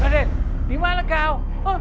raden dimana kau